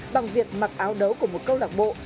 bằng việc mặc áo đấu của một câu lạc bộ